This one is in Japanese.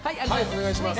お願いします。